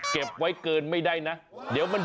เก็บไว้เกินไม่ได้นะเดี๋ยวมัน